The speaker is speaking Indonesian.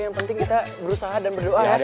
yang penting kita berusaha dan berdoa ya